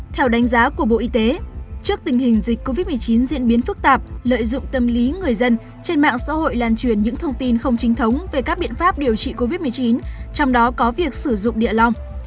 theo đánh giá của bộ y tế trước tình hình dịch covid một mươi chín diễn biến phức tạp lợi dụng tâm lý người dân trên mạng xã hội lan truyền những thông tin không chính thống về các biện pháp điều trị covid một mươi chín trong đó có việc sử dụng địa long